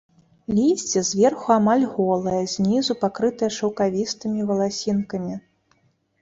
Лісце зверху амаль голае, знізу пакрытае шаўкавістымі валасінкамі.